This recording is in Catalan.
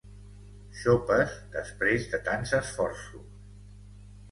Xopes després de tants esforços.